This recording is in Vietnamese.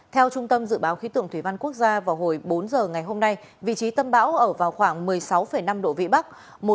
theo trung tâm dự báo khí tượng thủy văn quốc gia vào hồi bốn giờ ngày hôm nay vị trí tâm bão ở vào khoảng một mươi sáu năm độ vĩ bắc